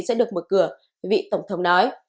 sẽ được mở cửa vị tổng thống nói